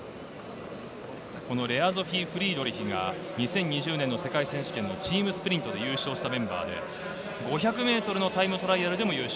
レア・ゾフィー・フリードリヒが２０１２年チームスプリントで優勝したメンバーで５００ｍのタイムトライアルでも優勝。